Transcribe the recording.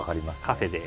カフェで。